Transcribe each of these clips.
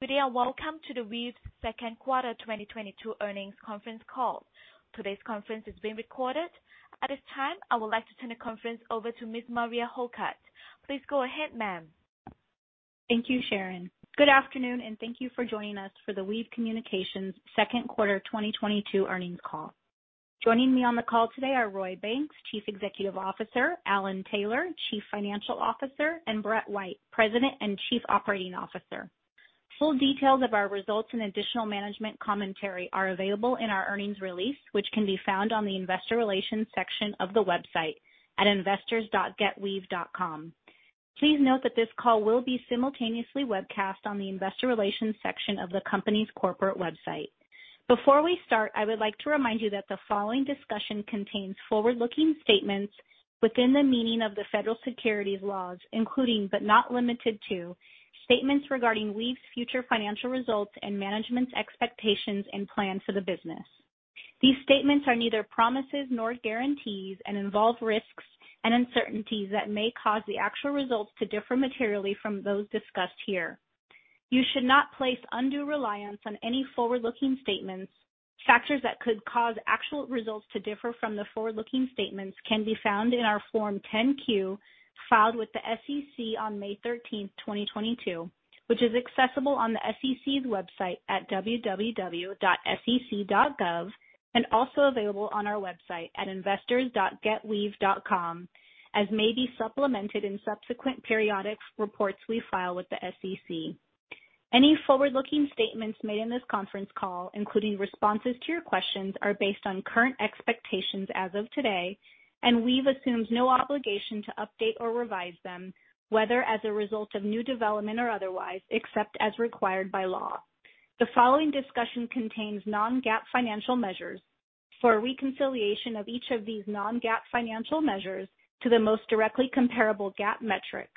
Good day, and welcome to the Weave's second quarter 2022 earnings conference call. Today's conference is being recorded. At this time, I would like to turn the conference over to Ms. Mariah Hocutt. Please go ahead, ma'am. Thank you, Sharon. Good afternoon, and thank you for joining us for the Weave Communications second quarter 2022 earnings call. Joining me on the call today are Roy Banks, Chief Executive Officer, Alan Taylor, Chief Financial Officer, and Brett White, President and Chief Operating Officer. Full details of our results and additional management commentary are available in our earnings release, which can be found on the investor relations section of the website at investors.getweave.com. Please note that this call will be simultaneously webcast on the investor relations section of the company's corporate website. Before we start, I would like to remind you that the following discussion contains forward-looking statements within the meaning of the federal securities laws, including, but not limited to, statements regarding Weave's future financial results and management's expectations and plans for the business. These statements are neither promises nor guarantees and involve risks and uncertainties that may cause the actual results to differ materially from those discussed here. You should not place undue reliance on any forward-looking statements. Factors that could cause actual results to differ from the forward-looking statements can be found in our Form 10-Q filed with the SEC on May 13, 2022, which is accessible on the SEC's website at www.sec.gov and also available on our website at investors.getweave.com, as may be supplemented in subsequent periodic reports we file with the SEC. Any forward-looking statements made in this conference call, including responses to your questions, are based on current expectations as of today, and Weave assumes no obligation to update or revise them, whether as a result of new development or otherwise, except as required by law. The following discussion contains non-GAAP financial measures. For a reconciliation of each of these non-GAAP financial measures to the most directly comparable GAAP metric,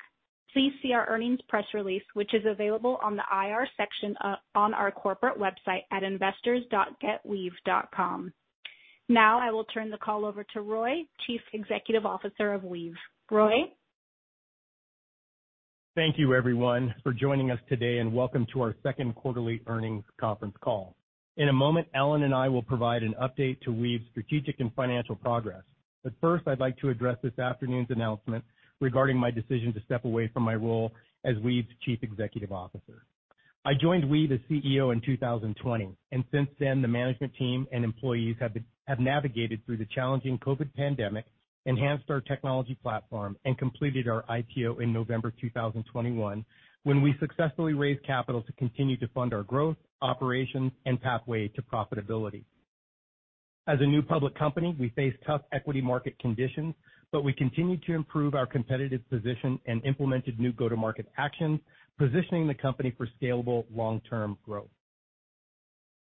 please see our earnings press release, which is available on the IR section on our corporate website at investors.getweave.com. Now, I will turn the call over to Roy, Chief Executive Officer of Weave. Roy? Thank you, everyone, for joining us today, and welcome to our second quarterly earnings conference call. In a moment, Alan and I will provide an update to Weave's strategic and financial progress. First, I'd like to address this afternoon's announcement regarding my decision to step away from my role as Weave's Chief Executive Officer. I joined Weave as CEO in 2020, and since then, the management team and employees have navigated through the challenging COVID pandemic, enhanced our technology platform, and completed our IPO in November 2021, when we successfully raised capital to continue to fund our growth, operations, and pathway to profitability. As a new public company, we face tough equity market conditions, but we continue to improve our competitive position and implemented new go-to-market actions, positioning the company for scalable long-term growth.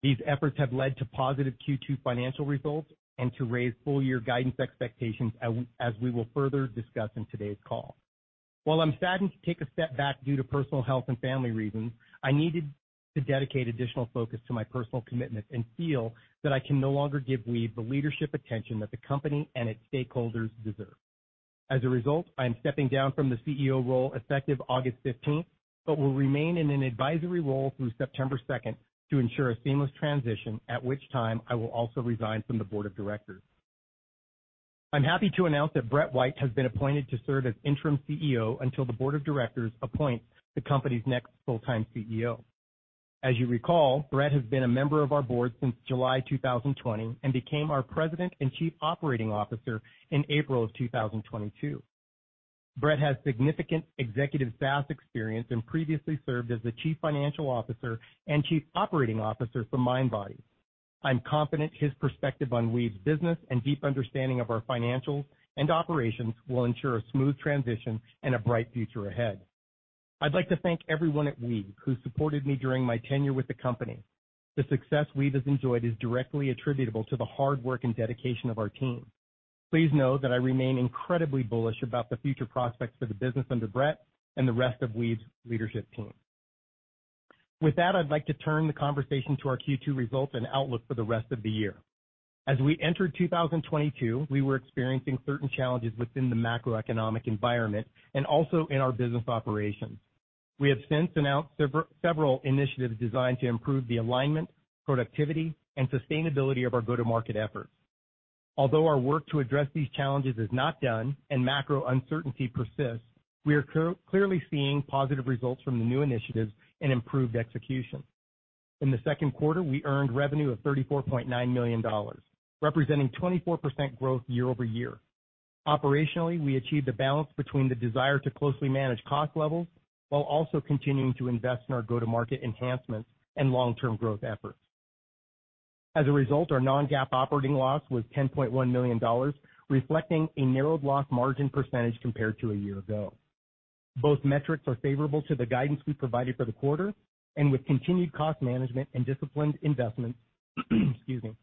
These efforts have led to positive Q2 financial results and to raise full year guidance expectations as we will further discuss in today's call. While I'm saddened to take a step back due to personal health and family reasons, I needed to dedicate additional focus to my personal commitments and feel that I can no longer give Weave the leadership attention that the company and its stakeholders deserve. As a result, I am stepping down from the CEO role effective August 15th, but will remain in an advisory role through September 2nd to ensure a seamless transition, at which time I will also resign from the board of directors. I'm happy to announce that Brett White has been appointed to serve as interim CEO until the board of directors appoints the company's next full-time CEO. As you recall, Brett has been a member of our board since July 2020 and became our President and Chief Operating Officer in April of 2022. Brett has significant executive SaaS experience and previously served as the Chief Financial Officer and Chief Operating Officer for Mindbody. I'm confident his perspective on Weave's business and deep understanding of our financials and operations will ensure a smooth transition and a bright future ahead. I'd like to thank everyone at Weave who supported me during my tenure with the company. The success Weave has enjoyed is directly attributable to the hard work and dedication of our team. Please know that I remain incredibly bullish about the future prospects for the business under Brett and the rest of Weave's leadership team. With that, I'd like to turn the conversation to our Q2 results and outlook for the rest of the year. As we entered 2022, we were experiencing certain challenges within the macroeconomic environment and also in our business operations. We have since announced several initiatives designed to improve the alignment, productivity, and sustainability of our go-to-market efforts. Although our work to address these challenges is not done and macro uncertainty persists, we are clearly seeing positive results from the new initiatives and improved execution. In the second quarter, we earned revenue of $34.9 million, representing 24% growth year-over-year. Operationally, we achieved a balance between the desire to closely manage cost levels while also continuing to invest in our go-to-market enhancements and long-term growth efforts. As a result, our non-GAAP operating loss was $10.1 million, reflecting a narrowed loss margin percentage compared to a year ago. Both metrics are favorable to the guidance we provided for the quarter, and with continued cost management and disciplined investment, excuse me,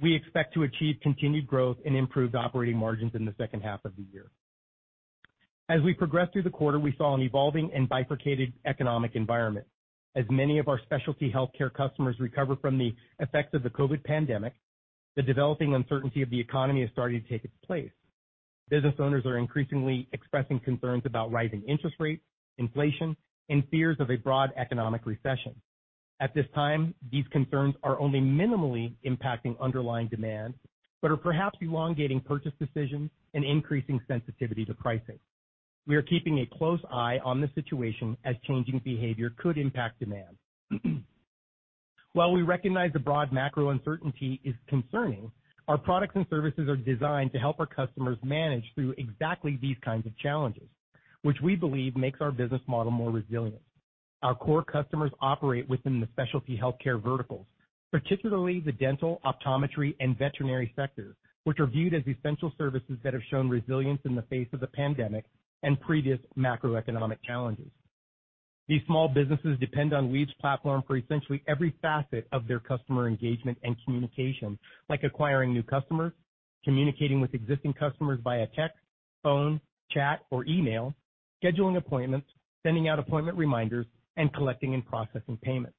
we expect to achieve continued growth and improved operating margins in the second half of the year. We progressed through the quarter, we saw an evolving and bifurcated economic environment. Many of our specialty healthcare customers recover from the effects of the COVID pandemic, the developing uncertainty of the economy is starting to take its place. Business owners are increasingly expressing concerns about rising interest rates, inflation, and fears of a broad economic recession. At this time, these concerns are only minimally impacting underlying demand, but are perhaps elongating purchase decisions and increasing sensitivity to pricing. We are keeping a close eye on the situation as changing behavior could impact demand. While we recognize the broad macro uncertainty is concerning, our products and services are designed to help our customers manage through exactly these kinds of challenges, which we believe makes our business model more resilient. Our core customers operate within the specialty healthcare verticals, particularly the dental, optometry, and veterinary sectors, which are viewed as essential services that have shown resilience in the face of the pandemic and previous macroeconomic challenges. These small businesses depend on Weave's platform for essentially every facet of their customer engagement and communication, like acquiring new customers, communicating with existing customers via text, phone, chat, or email, scheduling appointments, sending out appointment reminders, and collecting and processing payments.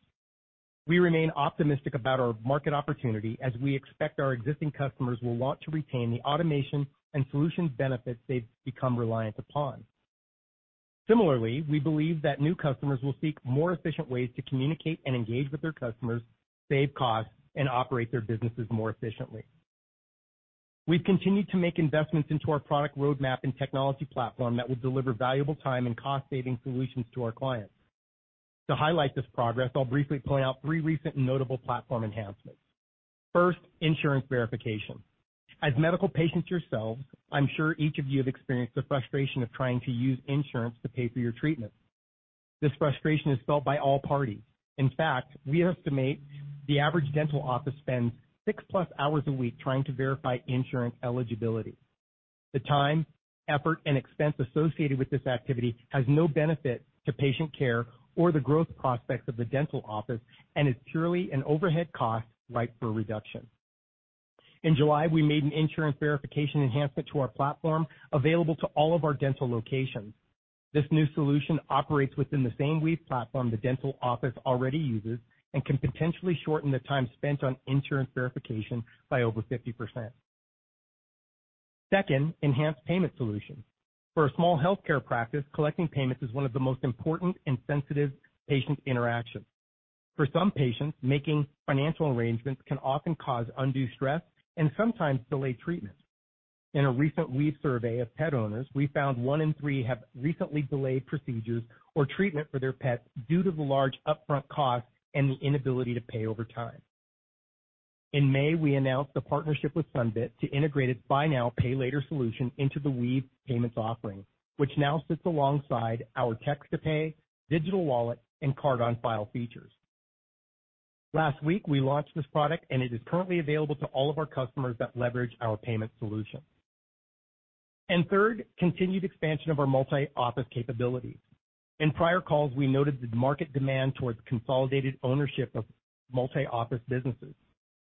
We remain optimistic about our market opportunity as we expect our existing customers will want to retain the automation and solutions benefits they've become reliant upon. Similarly, we believe that new customers will seek more efficient ways to communicate and engage with their customers, save costs, and operate their businesses more efficiently. We've continued to make investments into our product roadmap and technology platform that will deliver valuable time and cost-saving solutions to our clients. To highlight this progress, I'll briefly point out three recent notable platform enhancements. First, Insurance Verification. As medical patients yourselves, I'm sure each of you have experienced the frustration of trying to use insurance to pay for your treatment. This frustration is felt by all parties. In fact, we estimate the average dental office spends 6+ hours a week trying to verify insurance eligibility. The time, effort, and expense associated with this activity has no benefit to patient care or the growth prospects of the dental office and is purely an overhead cost ripe for reduction. In July, we made an insurance verification enhancement to our platform available to all of our dental locations. This new solution operates within the same Weave platform the dental office already uses and can potentially shorten the time spent on insurance verification by over 50%. Second, Enhanced Payment Solutions. For a small healthcare practice, collecting payments is one of the most important and sensitive patient interactions. For some patients, making financial arrangements can often cause undue stress and sometimes delay treatment. In a recent Weave survey of pet owners, we found one in three have recently delayed procedures or treatment for their pets due to the large upfront costs and the inability to pay over time. In May, we announced a partnership with Sunbit to integrate its Buy Now, Pay Later solution into the Weave Payments offering, which now sits alongside our Text to Pay, Digital Wallets, and Card on File features. Last week, we launched this product, and it is currently available to all of our customers that leverage our payment solution. Third, continued expansion of our multi-office capability. In prior calls, we noted the market demand towards consolidated ownership of multi-office businesses.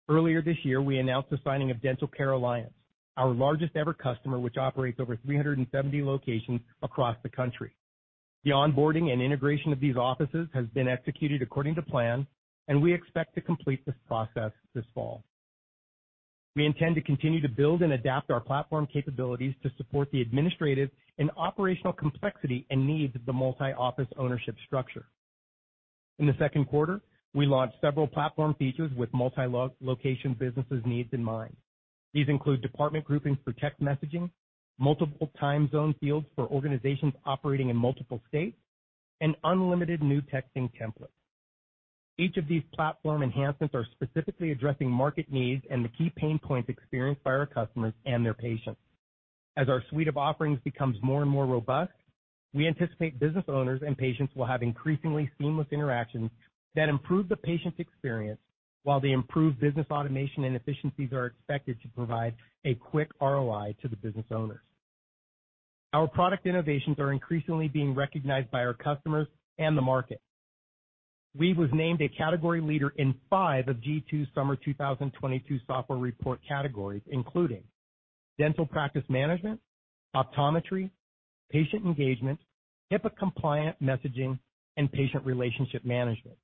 Earlier this year, we announced the signing of Dental Care Alliance, our largest-ever customer, which operates over 370 locations across the country. The onboarding and integration of these offices has been executed according to plan, and we expect to complete this process this fall. We intend to continue to build and adapt our platform capabilities to support the administrative and operational complexity and needs of the multi-office ownership structure. In the second quarter, we launched several platform features with multi-location businesses' needs in mind. These include department groupings for text messaging, multiple time zone fields for organizations operating in multiple states, and unlimited new texting templates. Each of these platform enhancements are specifically addressing market needs and the key pain points experienced by our customers and their patients. As our suite of offerings becomes more and more robust, we anticipate business owners and patients will have increasingly seamless interactions that improve the patient experience while the improved business automation and efficiencies are expected to provide a quick ROI to the business owners. Our product innovations are increasingly being recognized by our customers and the market. Weave was named a category leader in five of G2's Summer 2022 Software Report categories, including Dental Practice Management, Optometry, Patient Engagement, HIPAA-compliant messaging, and Patient Relationship Management.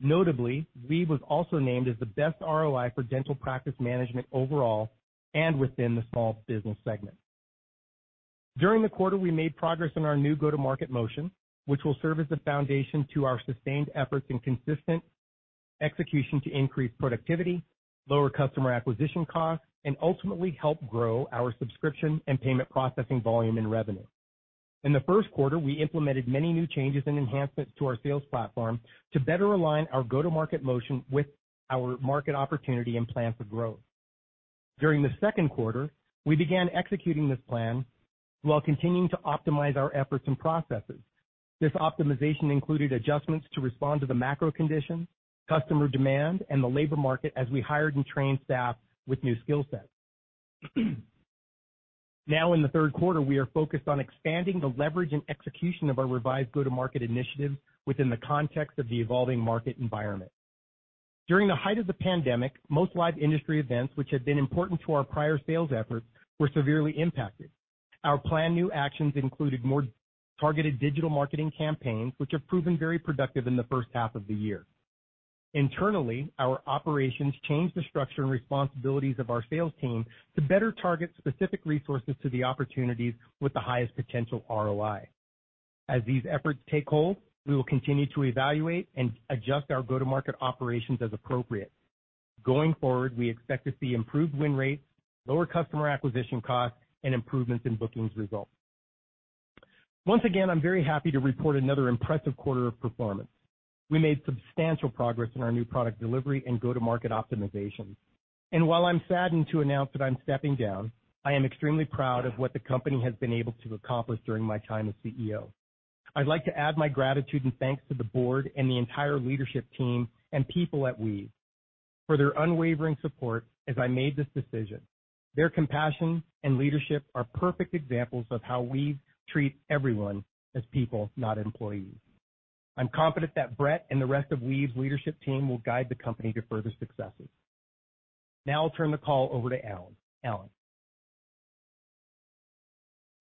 Notably, Weave was also named as the best ROI for Dental Practice Management overall and within the Small Business segment. During the quarter, we made progress on our new go-to-market motion, which will serve as the foundation to our sustained efforts and consistent execution to increase productivity, lower customer acquisition costs, and ultimately help grow our subscription and payment processing volume and revenue. In the first quarter, we implemented many new changes and enhancements to our sales platform to better align our go-to-market motion with our market opportunity and plan for growth. During the second quarter, we began executing this plan while continuing to optimize our efforts and processes. This optimization included adjustments to respond to the macro conditions, customer demand, and the labor market as we hired and trained staff with new skill sets. Now in the third quarter, we are focused on expanding the leverage and execution of our revised go-to-market initiative within the context of the evolving market environment. During the height of the pandemic, most live industry events which had been important to our prior sales efforts were severely impacted. Our planned new actions included more targeted digital marketing campaigns, which have proven very productive in the first half of the year. Internally, our operations change the structure and responsibilities of our sales team to better target specific resources to the opportunities with the highest potential ROI. As these efforts take hold, we will continue to evaluate and adjust our go-to-market operations as appropriate. Going forward, we expect to see improved win rates, lower customer acquisition costs, and improvements in bookings results. Once again, I'm very happy to report another impressive quarter of performance. We made substantial progress in our new product delivery and go-to-market optimization. While I'm saddened to announce that I'm stepping down, I am extremely proud of what the company has been able to accomplish during my time as CEO. I'd like to add my gratitude and thanks to the board and the entire leadership team and people at Weave for their unwavering support as I made this decision. Their compassion and leadership are perfect examples of how Weave treats everyone as people, not employees. I'm confident that Brett and the rest of Weave leadership team will guide the company to further successes. Now I'll turn the call over to Alan. Alan?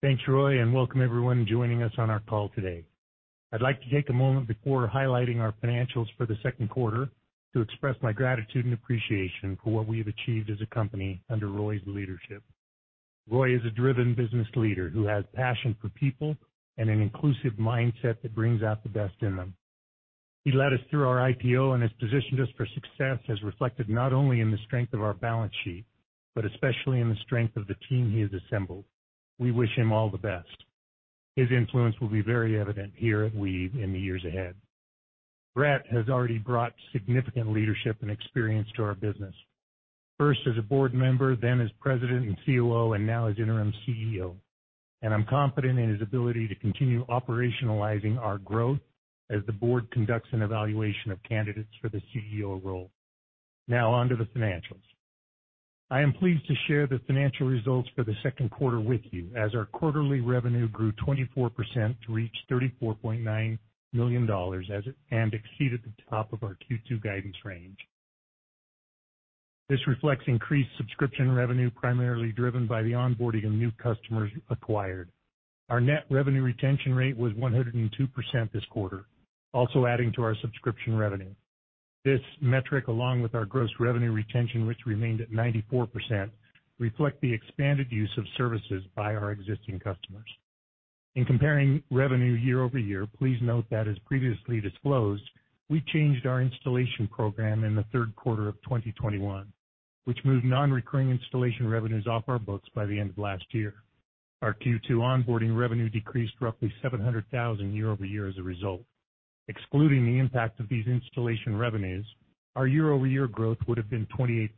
Thanks, Roy, and welcome everyone joining us on our call today. I'd like to take a moment before highlighting our financials for the second quarter to express my gratitude and appreciation for what we have achieved as a company under Roy's leadership. Roy is a driven business leader who has passion for people and an inclusive mindset that brings out the best in them. He led us through our IPO and has positioned us for success, as reflected not only in the strength of our balance sheet, but especially in the strength of the team he has assembled. We wish him all the best. His influence will be very evident here at Weave in the years ahead. Brett has already brought significant leadership and experience to our business, first as a board member, then as President and COO, and now as interim CEO. I'm confident in his ability to continue operationalizing our growth as the board conducts an evaluation of candidates for the CEO role. Now on to the financials. I am pleased to share the financial results for the second quarter with you as our quarterly revenue grew 24% to reach $34.9 million and exceeded the top of our Q2 guidance range. This reflects increased subscription revenue, primarily driven by the onboarding of new customers acquired. Our net revenue retention rate was 102% this quarter, also adding to our subscription revenue. This metric, along with our gross revenue retention, which remained at 94%, reflect the expanded use of services by our existing customers. In comparing revenue year-over-year, please note that as previously disclosed, we changed our installation program in the third quarter of 2021, which moved non-recurring installation revenues off our books by the end of last year. Our Q2 onboarding revenue decreased roughly $700,000 year-over-year as a result. Excluding the impact of these installation revenues, our year-over-year growth would have been 28%.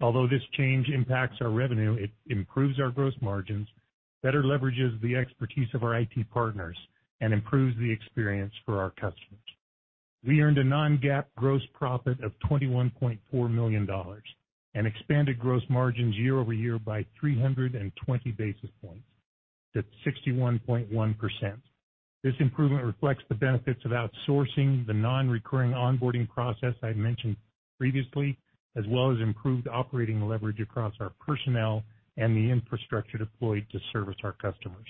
Although this change impacts our revenue, it improves our gross margins, better leverages the expertise of our IT partners, and improves the experience for our customers. We earned a non-GAAP gross profit of $21.4 million and expanded gross margins year-over-year by 320 basis points to 61.1%. This improvement reflects the benefits of outsourcing the non-recurring onboarding process I mentioned previously, as well as improved operating leverage across our personnel and the infrastructure deployed to service our customers.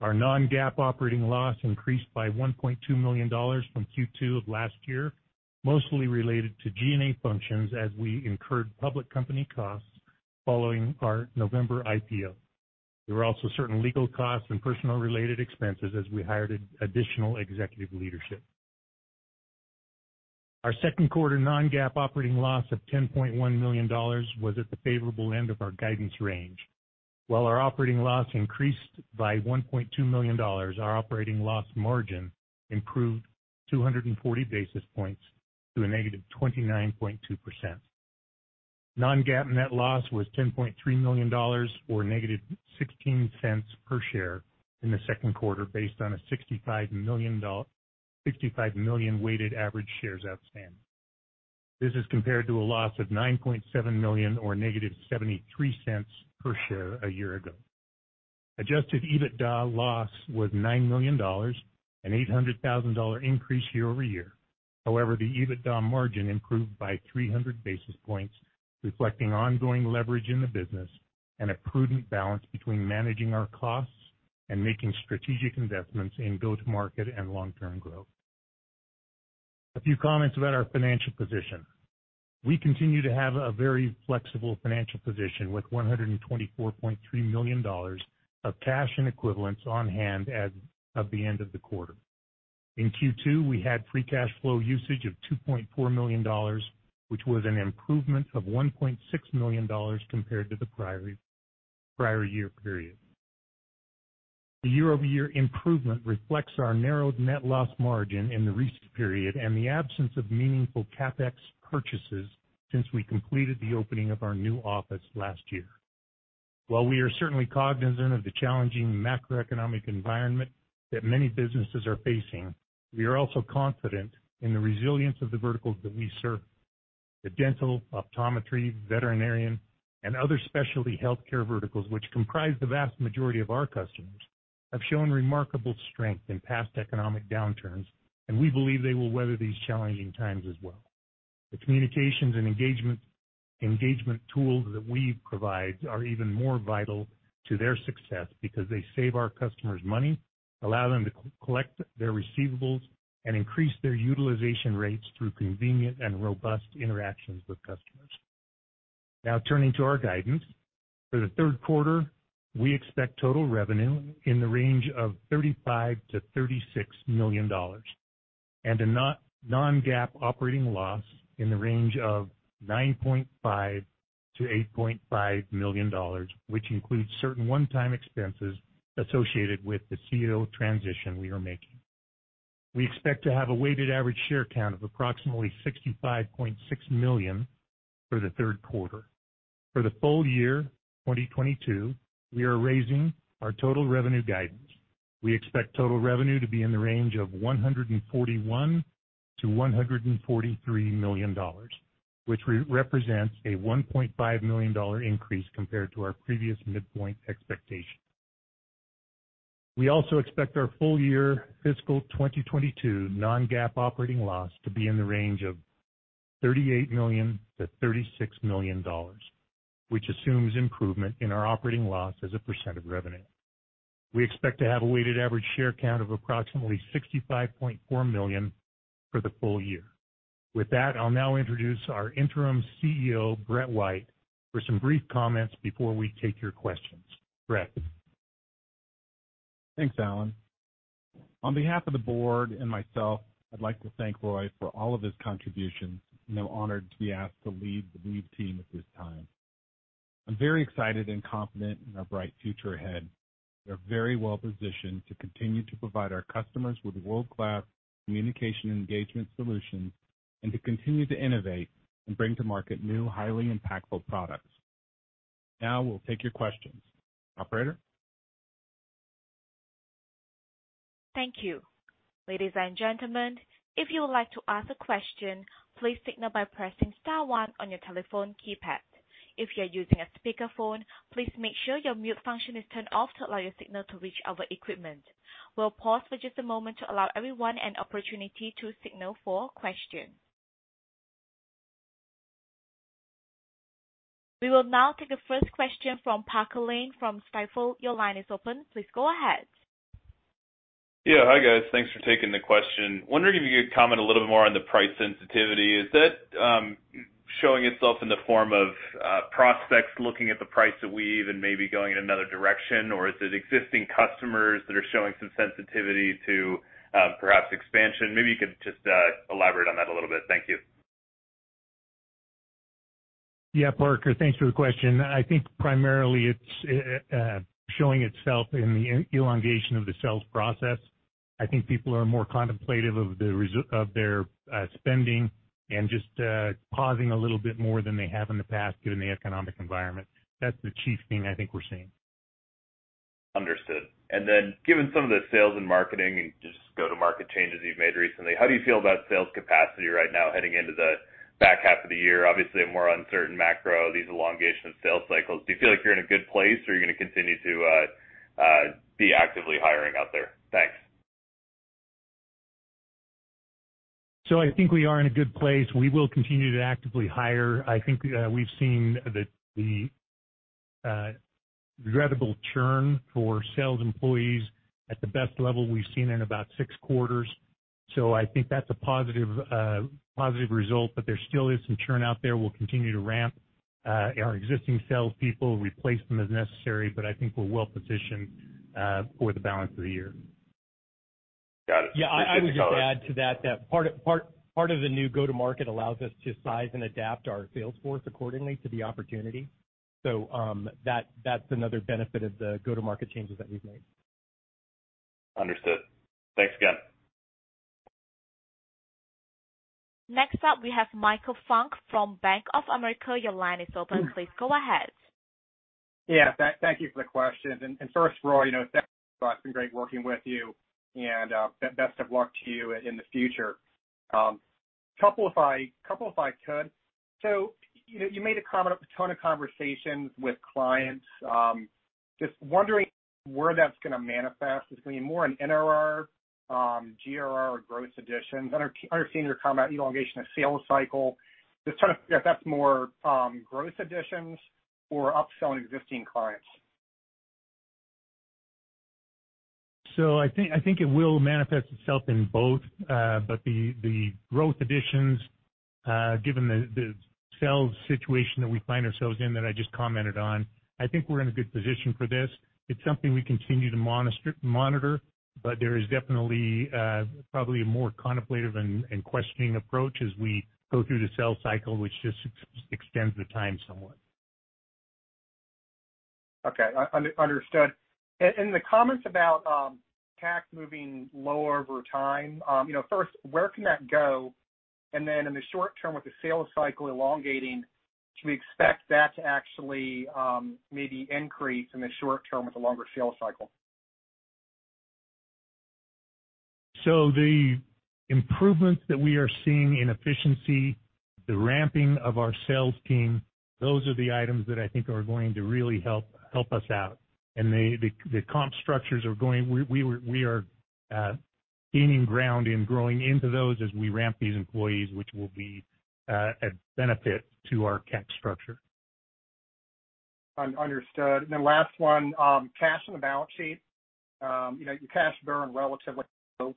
Our non-GAAP operating loss increased by $1.2 million from Q2 of last year, mostly related to G&A functions as we incurred public company costs following our November IPO. There were also certain legal costs and personnel related expenses as we hired additional executive leadership. Our second quarter non-GAAP operating loss of $10.1 million was at the favorable end of our guidance range. While our operating loss increased by $1.2 million, our operating loss margin improved 240 basis points to a -29.2%. Non-GAAP net loss was $10.3 million, or -$0.16 per share in the second quarter based on 65 million weighted average shares outstanding. This is compared to a loss of $9.7 million or -$0.73 per share a year ago. Adjusted EBITDA loss was $9 million, an $800,000 increase year-over-year. However, the EBITDA margin improved by 300 basis points, reflecting ongoing leverage in the business and a prudent balance between managing our costs and making strategic investments in go-to-market and long-term growth. A few comments about our financial position. We continue to have a very flexible financial position with $124.3 million of cash and equivalents on hand as of the end of the quarter. In Q2, we had free cash flow usage of $2.4 million, which was an improvement of $1.6 million compared to the prior-year period. The year-over-year improvement reflects our narrowed net loss margin in the recent period and the absence of meaningful CapEx purchases since we completed the opening of our new office last year. While we are certainly cognizant of the challenging macroeconomic environment that many businesses are facing, we are also confident in the resilience of the verticals that we serve. The Dental, Optometry, Veterinary, and other specialty healthcare verticals, which comprise the vast majority of our customers, have shown remarkable strength in past economic downturns, and we believe they will weather these challenging times as well. The communications and engagement tools that Weave provides are even more vital to their success because they save our customers money, allow them to collect their receivables, and increase their utilization rates through convenient and robust interactions with customers. Now turning to our guidance. For the third quarter, we expect total revenue in the range of $35 million-$36 million and a non-GAAP operating loss in the range of $9.5 million-$8.5 million, which includes certain one-time expenses associated with the CEO transition we are making. We expect to have a weighted average share count of approximately 65.6 million for the third quarter. For the full year 2022, we are raising our total revenue guidance. We expect total revenue to be in the range of $141 million-$143 million, which represents a $1.5 million increase compared to our previous midpoint expectation. We also expect our full year fiscal 2022 non-GAAP operating loss to be in the range of $38 million-$36 million, which assumes improvement in our operating loss as a percent of revenue. We expect to have a weighted average share count of approximately 65.4 million for the full year. With that, I'll now introduce our interim CEO, Brett White, for some brief comments before we take your questions. Brett? Thanks, Alan. On behalf of the board and myself, I'd like to thank Roy for all of his contributions, and I'm honored to be asked to lead the Weave team at this time. I'm very excited and confident in our bright future ahead. We are very well positioned to continue to provide our customers with world-class communication engagement solutions and to continue to innovate and bring to market new highly impactful products. Now we'll take your questions. Operator? Thank you. Ladies and gentlemen, if you would like to ask a question, please signal by pressing star one on your telephone keypad. If you are using a speakerphone, please make sure your mute function is turned off to allow your signal to reach our equipment. We'll pause for just a moment to allow everyone an opportunity to signal for questions. We will now take the first question from Parker Lane from Stifel. Your line is open. Please go ahead. Yeah. Hi, guys. Thanks for taking the question. Wondering if you could comment a little bit more on the price sensitivity. Is that showing itself in the form of prospects looking at the price of Weave and maybe going in another direction? Or is it existing customers that are showing some sensitivity to perhaps expansion? Maybe you could just elaborate on that a little bit. Thank you. Yeah, Parker, thanks for the question. I think primarily it's showing itself in the elongation of the sales process. I think people are more contemplative of the results of their spending and just pausing a little bit more than they have in the past given the economic environment. That's the chief thing I think we're seeing. Understood. Given some of the sales and marketing and just go-to-market changes you've made recently, how do you feel about sales capacity right now heading into the back half of the year? Obviously, a more uncertain macro, the elongation of sales cycles. Do you feel like you're in a good place, or are you gonna continue to be actively hiring out there? Thanks. I think we are in a good place. We will continue to actively hire. I think we've seen the regrettable churn for sales employees at the best level we've seen in about six quarters. I think that's a positive result. There still is some churn out there. We'll continue to ramp our existing salespeople, replace them as necessary. I think we're well positioned for the balance of the year. Got it. Appreciate the color. Yeah. I would just add to that part of the new go-to-market allows us to size and adapt our sales force accordingly to the opportunity. That's another benefit of the go-to-market changes that we've made. Understood. Thanks again. Next up, we have Michael Funk from Bank of America. Your line is open. Please go ahead. Yeah. Thank you for the question. First, Roy, you know, it's been great working with you, and best of luck to you in the future. A couple if I could. So you made a comment, a ton of conversations with clients. Just wondering where that's gonna manifest. Is it gonna be more in NRR, GRR, or gross additions? Understanding your comment on elongation of sales cycle, just trying to figure out if that's more gross additions or upselling existing clients. I think it will manifest itself in both. But the growth additions, given the sales situation that we find ourselves in that I just commented on, I think we're in a good position for this. It's something we continue to monitor, but there is definitely probably a more contemplative and questioning approach as we go through the sales cycle, which just extends the time somewhat. Okay. Understood. In the comments about CAC moving lower over time, you know, first, where can that go? In the short term, with the sales cycle elongating, should we expect that to actually maybe increase in the short term with a longer sales cycle? The improvements that we are seeing in efficiency, the ramping of our sales team, those are the items that I think are going to really help us out. The comp structures, we are gaining ground and growing into those as we ramp these employees, which will be a benefit to our CAC structure. Understood. Then last one, cash on the balance sheet. You know, your cash burn relatively low.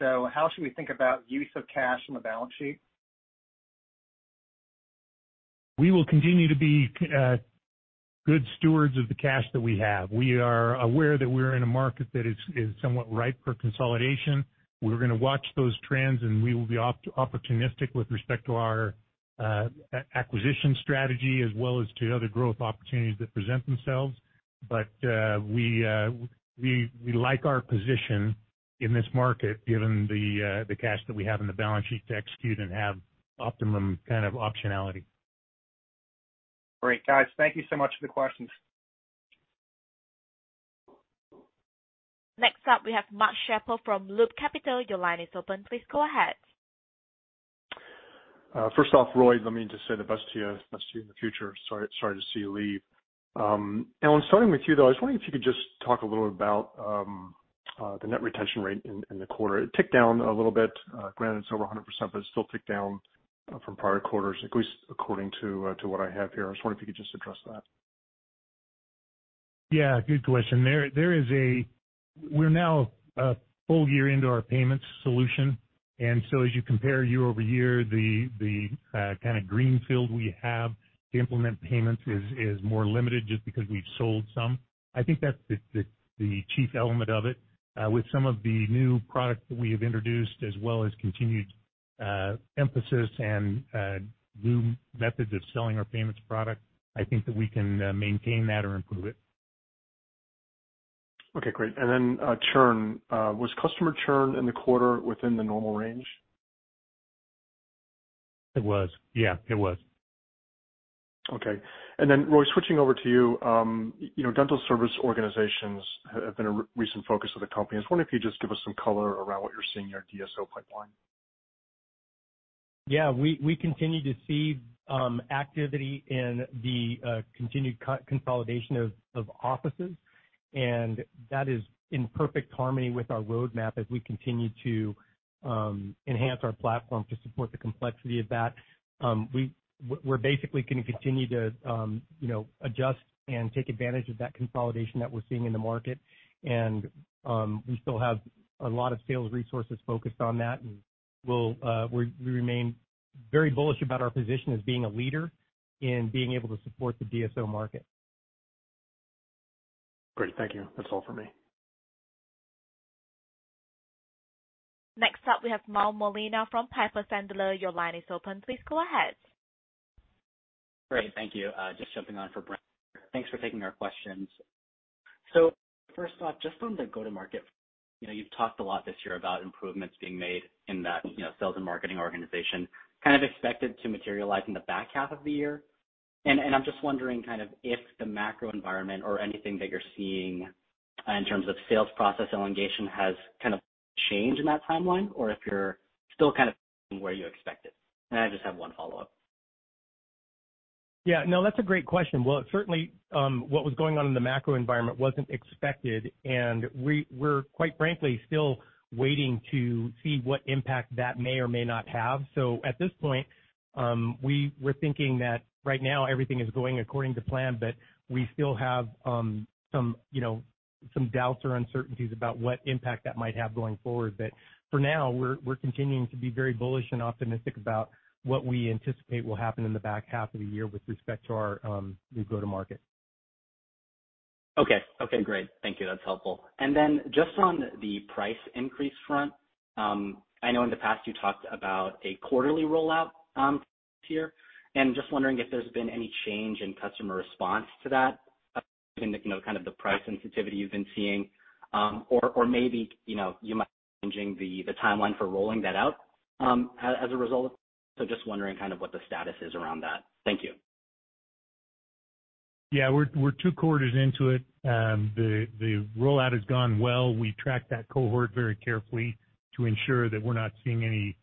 How should we think about use of cash on the balance sheet? We will continue to be good stewards of the cash that we have. We are aware that we're in a market that is somewhat ripe for consolidation. We're gonna watch those trends, and we will be opportunistic with respect to our acquisition strategy as well as to other growth opportunities that present themselves. We like our position in this market given the cash that we have in the balance sheet to execute and have optimum kind of optionality. Great. Guys, thank you so much for the questions. Next up we have Mark Schappel from Loop Capital. Your line is open. Please go ahead. First off, Roy, let me just say the best to you in the future. Sorry to see you leave. Alan, starting with you, though, I was wondering if you could just talk a little about the net retention rate in the quarter. It ticked down a little bit. Granted it's over 100%, but it still ticked down from prior quarters, at least according to what I have here. I was wondering if you could just address that. Yeah. Good question. We're now full year into our payments solution. As you compare year-over-year, the kinda greenfield we have to implement payments is more limited just because we've sold some. I think that's the chief element of it. With some of the new products that we have introduced as well as continued emphasis and new methods of selling our payments product, I think that we can maintain that or improve it. Okay. Great. Churn. Was customer churn in the quarter within the normal range? It was. Yeah, it was. Roy, switching over to you. You know, Dental Service Organizations have been a recent focus of the company. I was wondering if you'd just give us some color around what you're seeing in your DSO pipeline. Yeah. We continue to see activity in the continued consolidation of offices, and that is in perfect harmony with our roadmap as we continue to enhance our platform to support the complexity of that. We're basically gonna continue to, you know, adjust and take advantage of that consolidation that we're seeing in the market. We still have a lot of sales resources focused on that, and we remain very bullish about our position as being a leader in being able to support the DSO market. Great. Thank you. That's all for me. Next up, we have Mauro Molina from Piper Sandler. Your line is open. Please go ahead. Great. Thank you. Just jumping on for Brent. Thanks for taking our questions. First off, just on the go-to-market, you know, you've talked a lot this year about improvements being made in that, you know, sales and marketing organization kind of expected to materialize in the back half of the year. I'm just wondering kind of if the macro environment or anything that you're seeing in terms of sales process elongation has kind of changed in that timeline or if you're still kind of where you expected. I just have one follow-up. Yeah. No, that's a great question. Well, certainly, what was going on in the macro environment wasn't expected, and we're quite frankly still waiting to see what impact that may or may not have. At this point, we're thinking that right now everything is going according to plan, but we still have, some, you know, some doubts or uncertainties about what impact that might have going forward. For now, we're continuing to be very bullish and optimistic about what we anticipate will happen in the back half of the year with respect to our, the go-to-market. Okay. Okay, great. Thank you. That's helpful. Then just on the price increase front, I know in the past you talked about a quarterly rollout, this year. Just wondering if there's been any change in customer response to that, you know, kind of the price sensitivity you've been seeing. Or maybe, you know, you might be changing the timeline for rolling that out, as a result. Just wondering kind of what the status is around that. Thank you. Yeah. We're two quarters into it. The rollout has gone well. We track that cohort very carefully to ensure that we're not seeing any,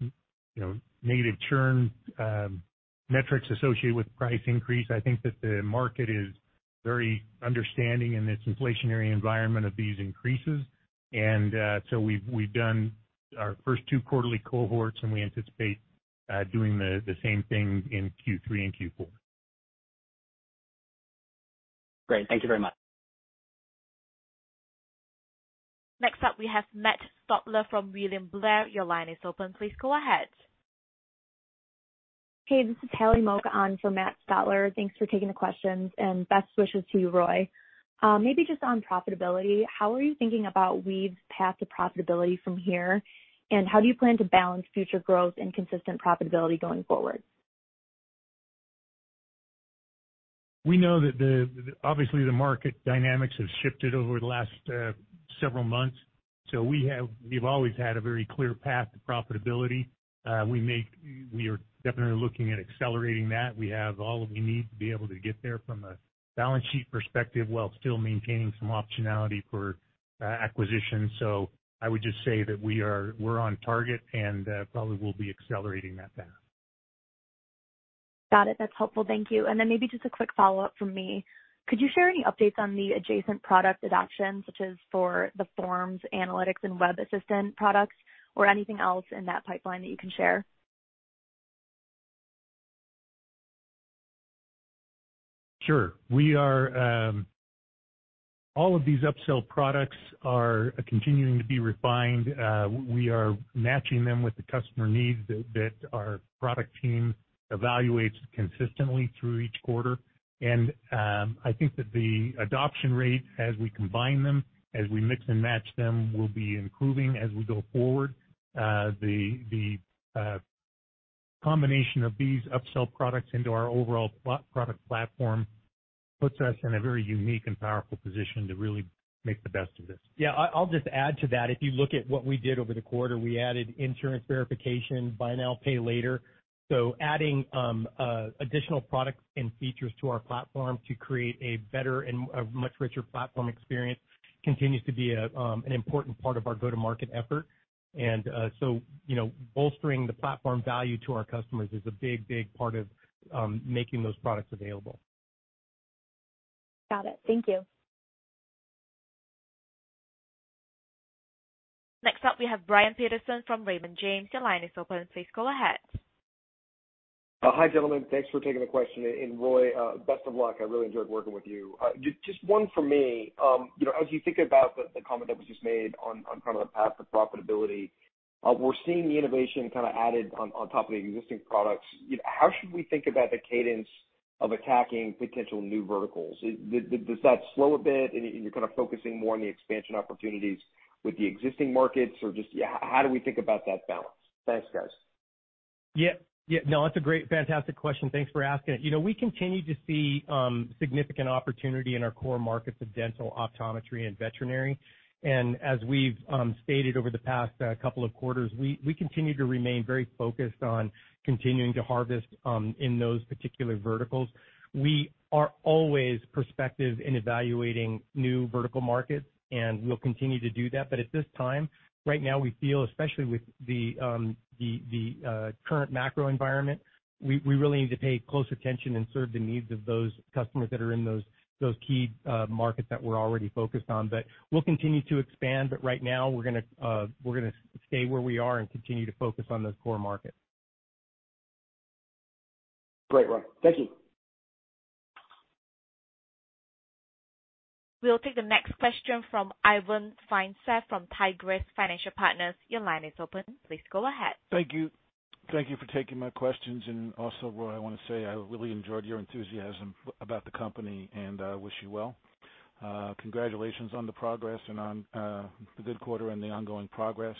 you know, negative churn metrics associated with price increase. I think that the market is very understanding in this inflationary environment of these increases. So we've done our first two quarterly cohorts, and we anticipate doing the same thing in Q3 and Q4. Great. Thank you very much. Next up, we have Matt Stotler from William Blair. Your line is open. Please go ahead. Hey, this is Haley Moak on for Matt Stotler. Thanks for taking the questions and best wishes to you, Roy. Maybe just on profitability, how are you thinking about Weave's path to profitability from here, and how do you plan to balance future growth and consistent profitability going forward? Obviously, the market dynamics have shifted over the last several months, so we've always had a very clear path to profitability. We are definitely looking at accelerating that. We have all that we need to be able to get there from a balance sheet perspective while still maintaining some optionality for acquisition. I would just say that we're on target and probably will be accelerating that path. Got it. That's helpful. Thank you. Maybe just a quick follow-up from me. Could you share any updates on the adjacent product adoption, such as for the Forms, Analytics, and Web Assistant products or anything else in that pipeline that you can share? Sure. All of these upsell products are continuing to be refined. We are matching them with the customer needs that our product team evaluates consistently through each quarter. I think that the adoption rate as we combine them, as we mix and match them, will be improving as we go forward. The combination of these upsell products into our overall product platform puts us in a very unique and powerful position to really make the best of this. Yeah. I'll just add to that. If you look at what we did over the quarter, we added Insurance Verification, Buy Now, Pay Later. Adding additional products and features to our platform to create a better and a much richer platform experience continues to be an important part of our go-to-market effort. You know, bolstering the platform value to our customers is a big part of making those products available. Got it. Thank you. Next up, we have Brian Peterson from Raymond James. Your line is open. Please go ahead. Hi, gentlemen. Thanks for taking the question. Roy, best of luck. I really enjoyed working with you. Just one for me. You know, as you think about the comment that was just made on kind of the path to profitability, we're seeing the innovation kinda added on top of the existing products. You know, how should we think about the cadence of attacking potential new verticals? Does that slow a bit and you're kind of focusing more on the expansion opportunities with the existing markets? Or how do we think about that balance? Thanks, guys. Yeah. Yeah, no, that's a great, fantastic question. Thanks for asking it. You know, we continue to see significant opportunity in our core markets of Dental, Optometry, and Veterinary. As we've stated over the past couple of quarters, we continue to remain very focused on continuing to harvest in those particular verticals. We are always proactive in evaluating new vertical markets, and we'll continue to do that. At this time, right now, we feel, especially with the current macro environment, we really need to pay close attention and serve the needs of those customers that are in those key markets that we're already focused on. We'll continue to expand, but right now we're gonna stay where we are and continue to focus on those core markets. Great, Roy. Thank you. We'll take the next question from Ivan Feinseth from Tigress Financial Partners. Your line is open. Please go ahead. Thank you. Thank you for taking my questions. Also, Roy, I wanna say I really enjoyed your enthusiasm about the company, and wish you well. Congratulations on the progress and on the good quarter and the ongoing progress.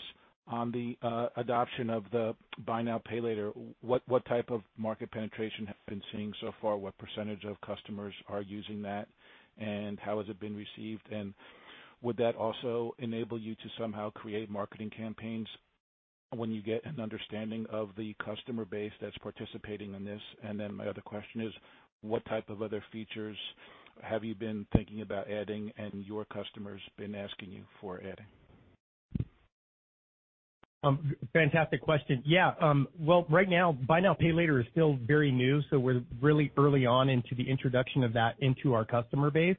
On the adoption of the Buy Now, Pay Later, what type of market penetration have you been seeing so far? What percentage of customers are using that, and how has it been received? Would that also enable you to somehow create marketing campaigns when you get an understanding of the customer base that's participating in this? Then my other question is, what type of other features have you been thinking about adding and your customers been asking you for adding? Fantastic question. Well, right now, Buy Now, Pay Later is still very new, so we're really early on into the introduction of that into our customer base.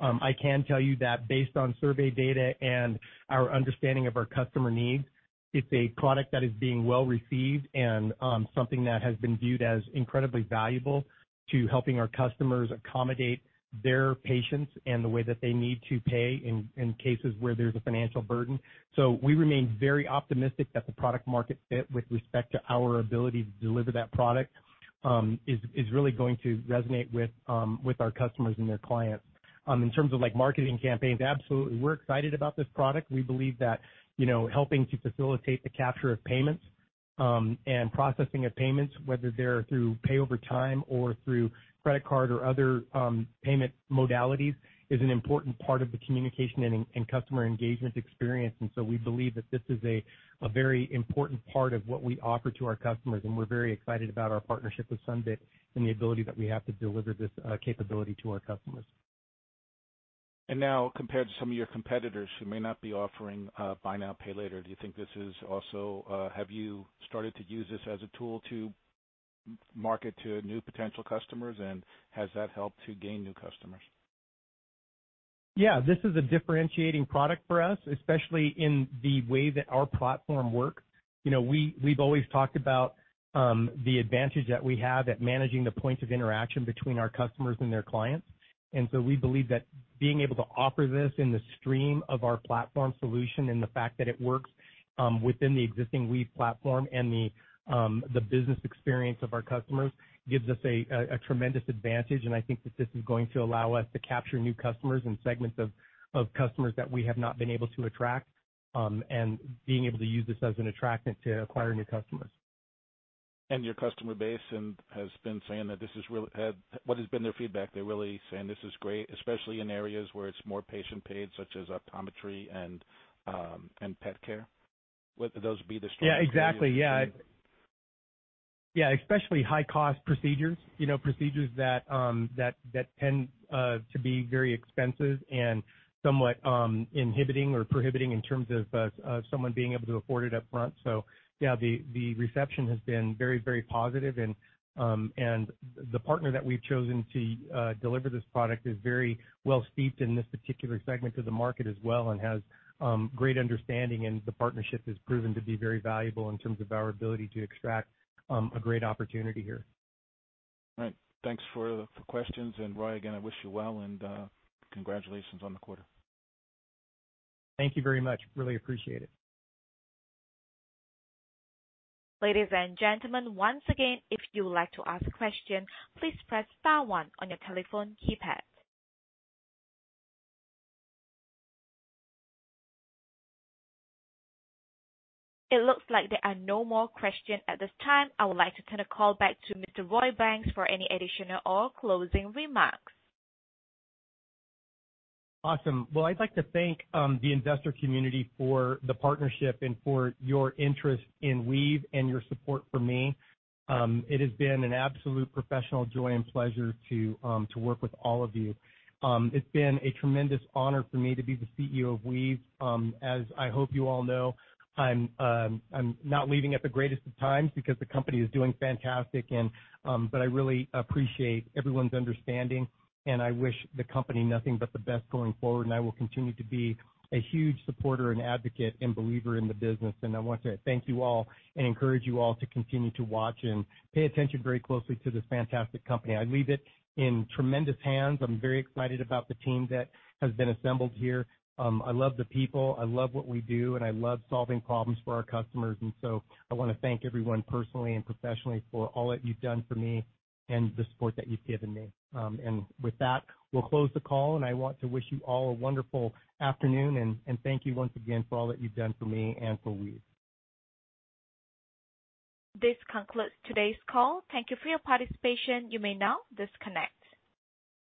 I can tell you that based on survey data and our understanding of our customer needs, it's a product that is being well received and something that has been viewed as incredibly valuable to helping our customers accommodate their patients and the way that they need to pay in cases where there's a financial burden. We remain very optimistic that the product market fit with respect to our ability to deliver that product is really going to resonate with our customers and their clients. In terms of like marketing campaigns, absolutely. We're excited about this product. We believe that, you know, helping to facilitate the capture of payments, and processing of payments, whether they're through pay over time or through credit card or other, payment modalities, is an important part of the communication and customer engagement experience. We believe that this is a very important part of what we offer to our customers, and we're very excited about our partnership with Sunbit and the ability that we have to deliver this capability to our customers. Now compared to some of your competitors who may not be offering, Buy Now, Pay Later, do you think this is also, have you started to use this as a tool to market to new potential customers? Has that helped to gain new customers? Yeah. This is a differentiating product for us, especially in the way that our platform works. You know, we've always talked about the advantage that we have at managing the points of interaction between our customers and their clients. We believe that being able to offer this in the stream of our platform solution and the fact that it works within the existing Weave platform and the business experience of our customers gives us a tremendous advantage, and I think that this is going to allow us to capture new customers and segments of customers that we have not been able to attract, and being able to use this as an attractant to acquire new customers. Your customer base has been saying that this is real. What has been their feedback? They're really saying this is great, especially in areas where it's more patient paid, such as Optometry and Pet Care. Would those be the strong areas? Yeah, exactly. Yeah, especially high-cost procedures. You know, procedures that tend to be very expensive and somewhat inhibiting or prohibiting in terms of someone being able to afford it up front. Yeah, the reception has been very, very positive and the partner that we've chosen to deliver this product is very well steeped in this particular segment of the market as well and has great understanding, and the partnership has proven to be very valuable in terms of our ability to extract a great opportunity here. All right. Thanks for the questions. Roy, again, I wish you well and, congratulations on the quarter. Thank you very much. Really appreciate it. Ladies and gentlemen, once again, if you would like to ask a question, please press star one on your telephone keypad. It looks like there are no more questions at this time. I would like to turn the call back to Mr. Roy Banks for any additional or closing remarks. Awesome. Well, I'd like to thank the investor community for the partnership and for your interest in Weave and your support for me. It has been an absolute professional joy and pleasure to work with all of you. It's been a tremendous honor for me to be the CEO of Weave. As I hope you all know, I'm not leaving at the greatest of times because the company is doing fantastic, and but I really appreciate everyone's understanding, and I wish the company nothing but the best going forward. I will continue to be a huge supporter and advocate and believer in the business. I want to thank you all and encourage you all to continue to watch and pay attention very closely to this fantastic company. I leave it in tremendous hands. I'm very excited about the team that has been assembled here. I love the people, I love what we do, and I love solving problems for our customers. I wanna thank everyone personally and professionally for all that you've done for me and the support that you've given me. With that, we'll close the call, and I want to wish you all a wonderful afternoon and thank you once again for all that you've done for me and for Weave. This concludes today's call. Thank you for your participation. You may now disconnect.